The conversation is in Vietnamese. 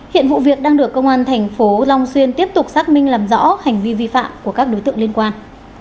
hiện vụ việc đang được công an thành phố long xuyên tiếp tục xác minh làm rõ hành vi vi phạm của các đối tượng liên quan